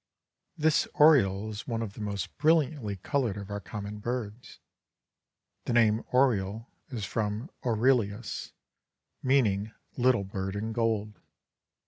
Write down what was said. This Oriole is one of the most brilliantly colored of our common birds. The name oriole is from "aureolus," meaning, little bird in gold.